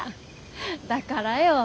だからよ。